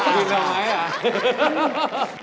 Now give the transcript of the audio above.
กินรำไหม